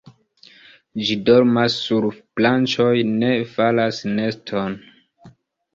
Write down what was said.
Ĝi dormas sur branĉoj, ne faras neston.